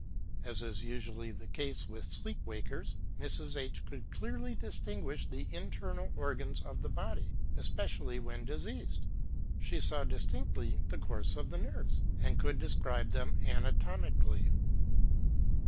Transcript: As is usually the case with sleep wakers, Mrs. H could clearly distinguish the internal organs of the body, especially when diseased. She saw distinctly the course of the nerves, and could describe them anatomically.